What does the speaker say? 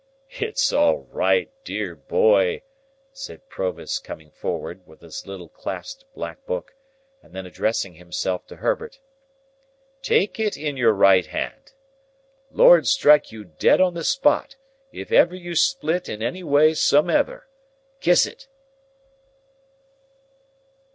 "It's all right, dear boy!" said Provis coming forward, with his little clasped black book, and then addressing himself to Herbert. "Take it in your right hand. Lord strike you dead on the spot, if ever you split in any way sumever! Kiss it!"